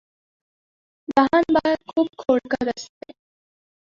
लहान बाळ खूप खोडकर असते.